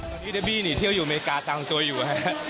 ตอนนี้เดบี้นี่เที่ยวอยู่อเมริกาตามตัวอยู่ฮะ